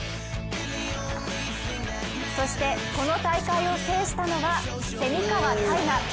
そして、この大会を制したのは蝉川泰果。